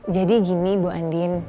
jadi gini bu andien